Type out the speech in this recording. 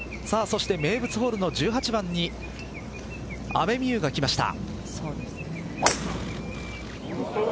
名物ホールの１８番に阿部未悠が来ました。